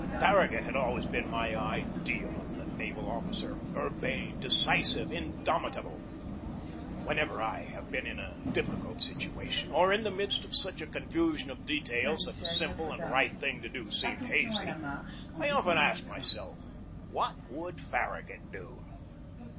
Farragut has always been my ideal of the naval officer, urbane, decisive, indomitable. Whenever I have been in a difficult situation, or in the midst of such a confusion of details that the simple and right thing to do seemed hazy, I have often asked myself, "What would Farragut do?"